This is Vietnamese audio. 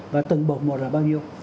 và từng bộ một là bao nhiêu